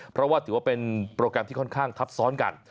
เพราะว่าถือว่าเป็นโปรแกรมที่ค่อนข้างทับซ้อนกัน